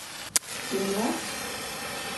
«урлап»?!